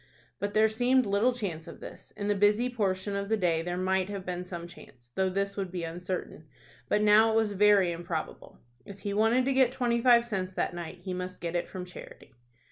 But there seemed little chance of this. In the busy portion of the day there might have been some chance, though this would be uncertain; but now it was very improbable. If he wanted to get twenty five cents that night he must get it from charity.